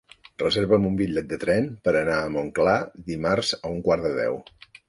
Reserva'm un bitllet de tren per anar a Montclar dimarts a un quart de deu.